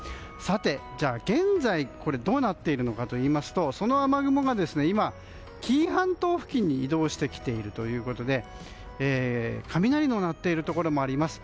じゃあ、現在はどうなっているのかといいますとその雨雲が今、紀伊半島付近に移動してきているということで雷の鳴っているところもあります。